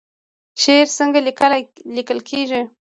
شعر څنګه لیکل کیږي؟